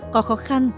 có khó khăn